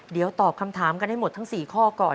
เดี๋ยวตอบคำถามกันให้หมดทั้ง๔ข้อก่อน